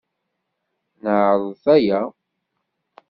Neɛreḍ aya.